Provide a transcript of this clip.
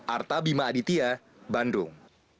arta bima aditya bandung